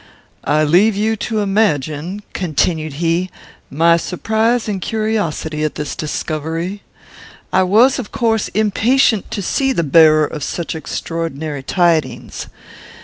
"I leave you to imagine," continued he, "my surprise and curiosity at this discovery. I was, of course, impatient to see the bearer of such extraordinary tidings.